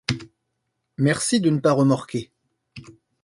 Merci de ne pas remorquer.